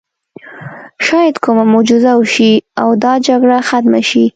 شاید کومه معجزه وشي او دا جګړه ختمه شي